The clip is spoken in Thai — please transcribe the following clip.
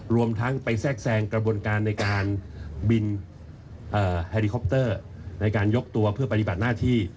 รวมทั้งไปแทรกแซงกระบวนการในการบินไฮริคอปเตอร์ในการยกตัวเพื่อปฏิบัติหน้าที่